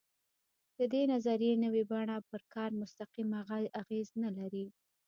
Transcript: د دې نظریې نوې بڼه پر کار مستقیم اغېز نه لري.